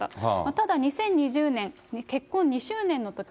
ただ、２０２０年、結婚２周年のとき、